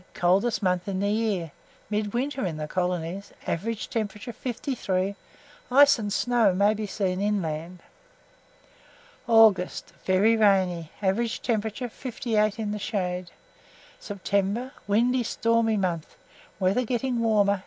Coldest month in the year; midwinter in the colonies; average temperature, 53. Ice and snow may be seen inland. AUGUST. Very rainy. Average temperature, 58 in the shade. SEPTEMBER. Windy stormy month; weather getting warmer.